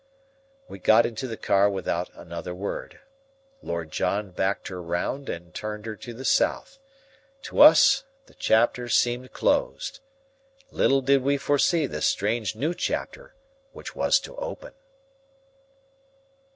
We got into the car without another word. Lord John backed her round and turned her to the south. To us the chapter seemed closed. Little did we foresee the strange new chapter which was to open.